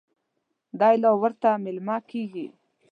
دی لا ورته مېلمه کېږي.